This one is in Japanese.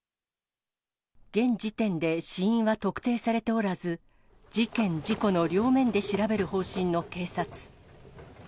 現時点で死因は特定されておらず、事件・事故の両面で調べる方針の警察。